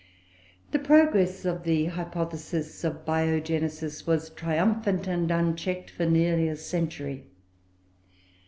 The progress of the hypothesis of Biogenesis was triumphant and unchecked for nearly a century.